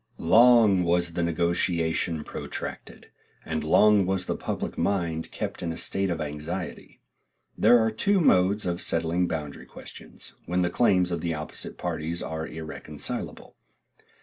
Long was the negotiation protracted, and long was the public mind kept in a state of anxiety. There are two modes of settling boundary questions, when the claims of the opposite parties are irreconcilable.